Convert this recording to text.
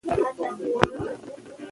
لوبه د ایمپایر تر څار لاندي ده.